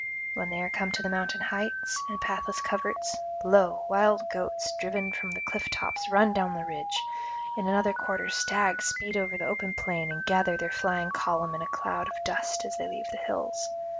When they are come to the mountain heights and pathless coverts, lo, wild goats driven from the cliff tops run down the ridge; in another quarter stags speed over the open plain and gather their flying column in a cloud of dust as they leave the hills.